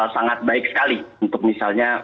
sangat baik sekali untuk misalnya